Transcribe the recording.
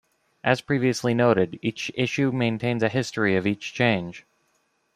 As previously noted, each issue maintains a history of each change.